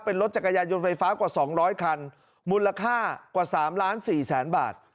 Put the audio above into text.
เป็นรถจักรยานยนต์ไฟฟ้ากว่าสองร้อยคันมูลค่ากว่าสามล้านสี่แสนบาท